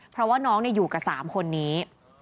เพราะว่าน้องอยู่กับ๓คนนี้